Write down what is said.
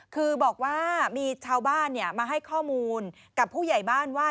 คือบอกว่ามีชาวบ้านมาให้ข้อมูลกับผู้ใหญ่บ้านว่า